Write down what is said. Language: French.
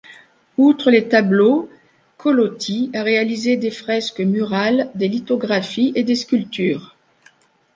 Outre les tableaux, Colautti a réalisé des fresques murales, des lithographies et des sculptures.